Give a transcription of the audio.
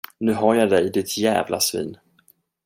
Nu har jag dig, ditt jävla svin.